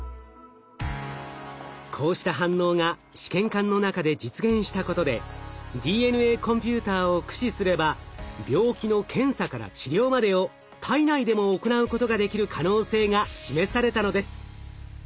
こうした反応が試験管の中で実現したことでＤＮＡコンピューターを駆使すれば病気の検査から治療までを体内でも行うことができる可能性が示されたのです。